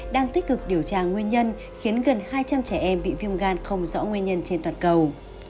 đang tích cực điều tra nguyên nhân khiến gần hai trăm linh trẻ em bị viêm gan không rõ nguyên nhân trên toàn cầu